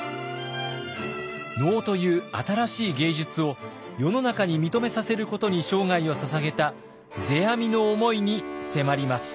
能という新しい芸術を世の中に認めさせることに生涯をささげた世阿弥の思いに迫ります。